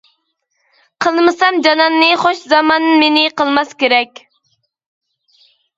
قىلمىسام جاناننى خۇش زامان مېنى قىلماس كېرەك.